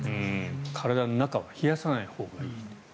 体の中は冷やさないほうがいい。